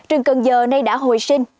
rừng cần giờ nay đã hồi sinh